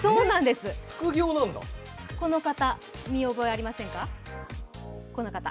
この方、見覚えありませんか？